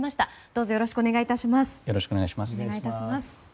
どうぞよろしくお願い致します。